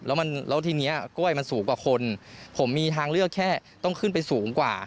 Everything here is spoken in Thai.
แล้วมันแล้วทีนี้กล้วยมันสูงกว่าคนผมมีทางเลือกแค่ต้องขึ้นไปสูงกว่า